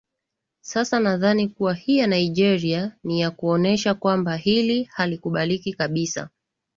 sasa nadhani kuwa hii ya nigeria niyakuonyesha kwamba hili halikubaliki kabisa